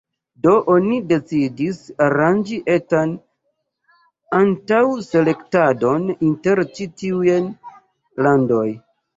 Do oni decidis aranĝi etan antaŭ-selektadon inter ĉi-tiuj landoj.